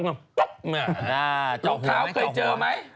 นี่ลงเท้าเคยเจอไหม